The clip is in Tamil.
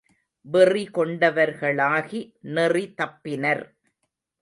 வெறி கொண்டவர்களாகி நெறி தப்பினர்.